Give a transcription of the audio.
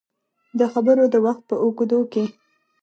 د خبرو د وخت په اوږدو کې